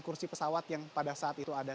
kursi pesawat yang pada saat itu ada